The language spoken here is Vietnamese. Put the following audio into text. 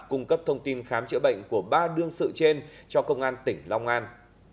cung cấp thông tin khám chữa bệnh của ba đương sự trên cho công an tỉnh long an